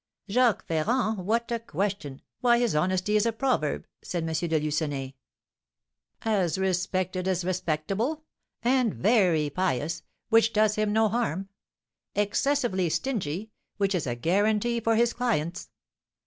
"Jacques Ferrand? What a question! Why, his honesty is a proverb," said M. de Lucenay. "As respected as respectable." "And very pious; which does him no harm." "Excessively stingy; which is a guarantee for his clients."